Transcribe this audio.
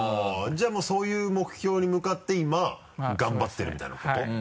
じゃあもうそういう目標に向かって今頑張ってるみたいなこと？